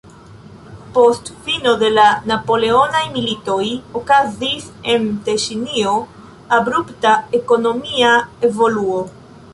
Post fino de la napoleonaj militoj okazis en Teŝinio abrupta ekonomia evoluo.